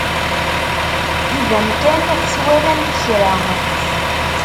Iban kan twalamt kra.